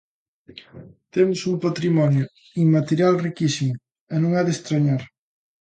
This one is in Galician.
Temos un patrimonio inmaterial riquísimo e non é de estrañar.